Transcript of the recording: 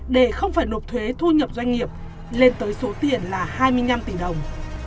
để không phải nộp thuế thu nhập doanh nghiệp lên tới số tiền là hai mươi năm tỷ đồng